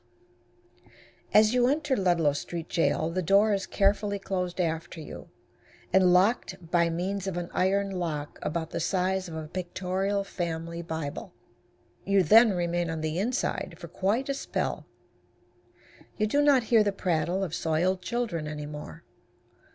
As you enter Ludlow Street Jail the door is carefully closed after you, and locked by means of an iron lock about the size of a pictorial family Bible. You then remain on the inside for quite a spell. You do not hear the prattle of soiled children any more.